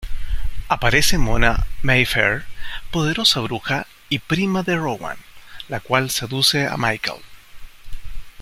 Aparece Mona Mayfair, poderosa bruja y prima de Rowan, la cual seduce a Michael.